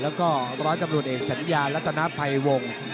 แล้วก็ร้อยกำรวดเอกสัญญาและตนภัยวง